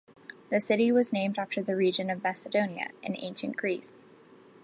The city was named after the region of Macedonia, in Ancient Greece.